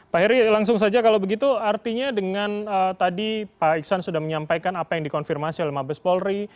pak heri langsung saja kalau begitu artinya dengan tadi pak iksan sudah menyampaikan apa yang dikonfirmasi oleh mabes polri